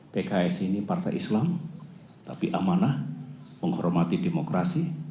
pks ini partai islam tapi amanah menghormati demokrasi